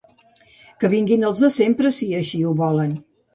Que vinguin els de sempre si així ho volen.